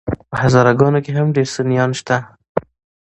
په هزاره ګانو کي هم ډير سُنيان شته